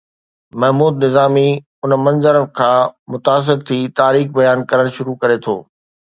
محمود نظامي ان منظر کان متاثر ٿي تاريخ بيان ڪرڻ شروع ڪري ٿو